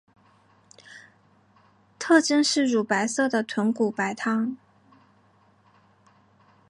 特征是乳白色的豚骨白汤。